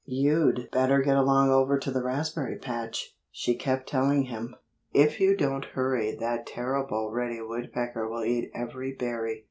"You'd better get along over to the raspberry patch," she kept telling him. "If you don't hurry that terrible Reddy Woodpecker will eat every berry.